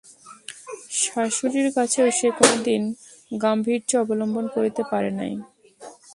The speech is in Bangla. শাশুড়ির কাছেও সে কোনোদিন গাম্ভীর্য অবলম্বন করিতে পারে নাই।